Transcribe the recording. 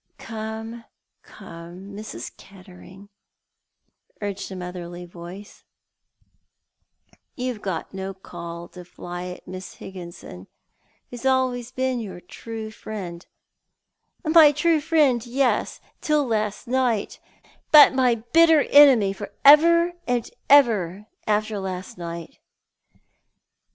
"Come, come, Mrs. Kettering," urged a motherly voice, u 1 62 Thou art the Man. "you've no call to fly at Miss Higginson, who's always been your true friend." " My true friend, yes, till last night ; but my bitter enemy for ever and ever after last night."